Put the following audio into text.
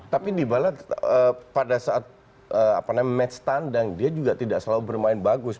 tapi dibalat pada saat match standard dia juga tidak selalu bermain bagus